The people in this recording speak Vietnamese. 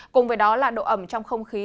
cùng với đó là độ ẩm trong không khí